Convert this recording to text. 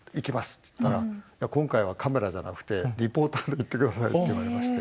っつったらいや今回はカメラじゃなくてリポーターで行ってくださいって言われまして。